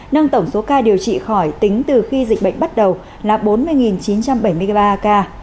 nâng tổng số ca điều trị khỏi tính từ khi dịch bệnh bắt đầu là bốn mươi chín trăm bảy mươi ba ca